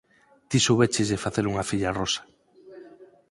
_Ti soubécheslle facer unha filla a Rosa.